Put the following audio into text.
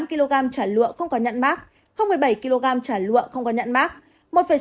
tám kg chả lụa không có nhạn mát bảy kg chả lụa không có nhạn mát